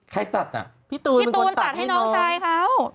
ใครตัดน่ะพี่ตูนเป็นคนตัดให้น้องพี่ตูนตัดให้น้องชายเขา